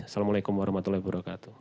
wa'alaikumsalam warahmatullahi wabarakatuh